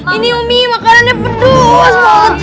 ini umi makannya pedus